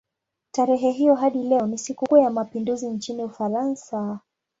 Tarehe hiyo hadi leo ni sikukuu ya mapinduzi nchini Ufaransa.